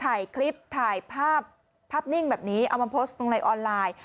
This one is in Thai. ถ่ายคลิปถ่ายภาพภาพนิ่งแบบนี้เอามาโพสต์ลงในออนไลน์